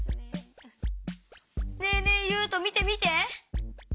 ねえねえゆうとみてみて！